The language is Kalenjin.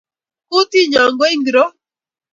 Kutinyo ngo ingiro?